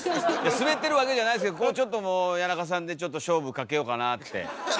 いやすべってるわけじゃないですけどここはちょっともう谷中さんで勝負かけようかなあって。